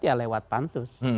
ya lewat pansus